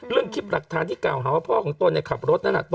เรื่องคลิปหลักฐานที่เก่าหาว่า